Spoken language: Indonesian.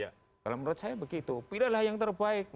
ya kalau menurut saya begitu pilihlah yang terbaik